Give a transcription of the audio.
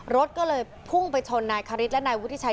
รถก็เลยพุ่งไปชนนายคาริสและนายวุฒิชัย